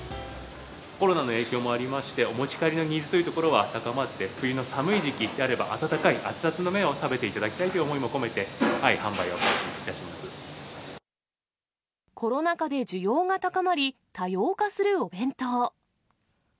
コロナの影響もありまして、お持ち帰りのニーズというところは高まって、冬の寒い時期であれば、温かい熱々の麺を食べていただきたいという思いも込めて販売コロナ禍で需要が高まり、多様化するお弁当。